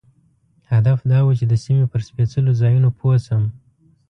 هدف دا و چې د سیمې پر سپېڅلو ځایونو پوه شم.